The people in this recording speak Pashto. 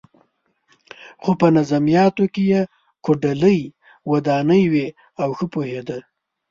خو په نظمیاتو کې یې کوډلۍ ودانې وې او ښه پوهېده.